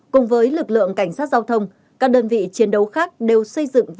cùng với lực lượng cảnh sát giao thông các đơn vị chiến đấu khác đều xây dựng